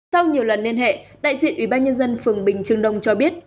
sau nhiều lần liên hệ đại diện ủy ban nhân dân phường bình trương đông cho biết